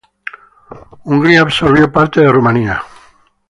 Hungría absorbió partes de Rumania.